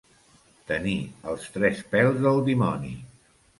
Tenir els tres pèls del dimoni.